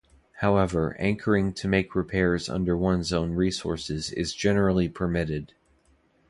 However, anchoring to make repairs under one's own resources is generally permitted.